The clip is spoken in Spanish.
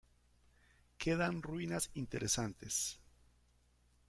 Quedan ruinas interesantes.